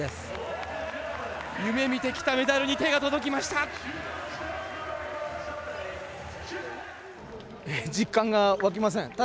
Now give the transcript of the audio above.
夢みてきたメダルに手が届きました！